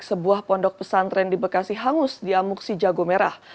sebuah pondok pesantren di bekasi hangus di amuksi jagomerah